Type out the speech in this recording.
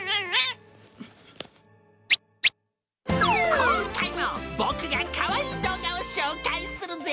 今回も僕がかわいい動画を紹介するぜ。